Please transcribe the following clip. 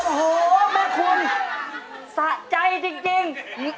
โอ้โหแม่คุณสะใจจริง